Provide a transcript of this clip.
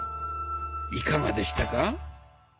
いかがでしたか？